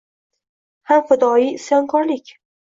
Hamfidoiy isyonkorlik